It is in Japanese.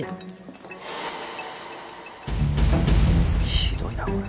ひどいなこれ。